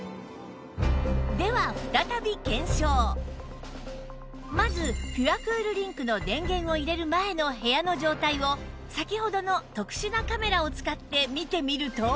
ではまずピュアクールリンクの電源を入れる前の部屋の状態を先ほどの特殊なカメラを使って見てみると